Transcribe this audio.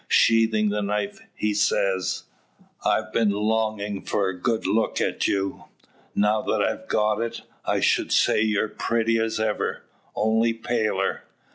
Sheathing the knife, he says: "I've been longing for a good look at you. Now that I've got it, I should say you're pretty as ever, only paler.